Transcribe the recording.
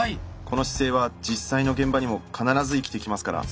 この姿勢は実際の現場にも必ず生きてきますから。